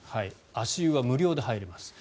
足湯は無料で入れます。